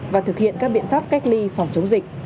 và thực hiện các biện pháp cách ly phòng chống dịch